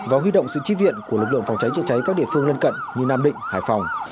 và huy động sự tri viện của lực lượng phòng cháy chữa cháy các địa phương lân cận như nam định hải phòng